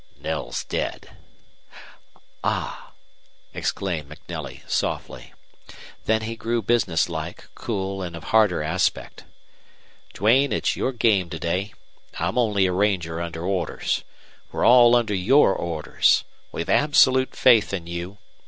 "Knell's dead." "Ah!" exclaimed MacNelly, softly. Then he grew businesslike, cool, and of harder aspect. "Duane, it's your game to day. I'm only a ranger under orders. We're all under your orders. We've absolute faith in you.